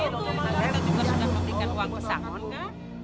kita juga sudah memberikan uang pesangon kan